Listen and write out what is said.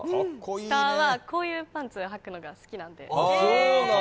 下は、こういうパンツをはくのが好きなんで。